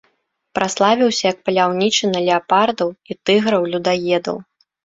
Праславіўся як паляўнічы на леапардаў і тыграў-людаедаў.